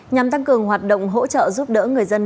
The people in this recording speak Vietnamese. nhằm tăng cường hoạt động hỗ trợ giúp đỡ người dân